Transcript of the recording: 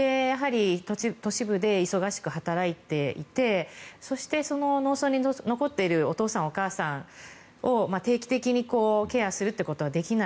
都市部で忙しく働いていてそしてその農村に残っているお父さん、お母さんを定期的にケアするということはできない。